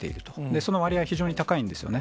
その割合、非常に高いんですよね。